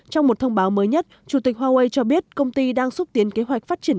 trong một thông báo mới nhất chủ tịch huawei cho biết công ty đang xúc tiến kế hoạch phát triển